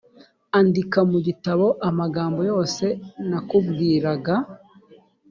andika mu gitabo amagambo yose nakubwiraga